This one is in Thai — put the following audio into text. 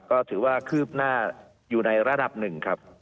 ก็ถือว่าคืบหน้าอยู่ในระดับหนึ่งครับ